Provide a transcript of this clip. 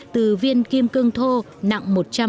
từ viên kim cương của nga